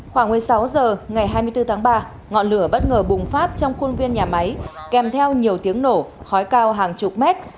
khoảng một mươi sáu h ngày hai mươi bốn tháng ba ngọn lửa bất ngờ bùng phát trong khuôn viên nhà máy kèm theo nhiều tiếng nổ khói cao hàng chục mét